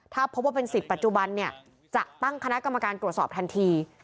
ถ้าพบว่าเป็นสิทธิ์ปัจจุบันเนี่ยจะตั้งคณะกรรมการตรวจสอบทันที